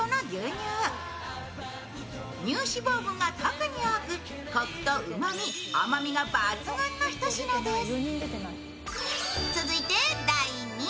乳脂肪分が特に多く、こくとうまみ、甘みが抜群のひと品です。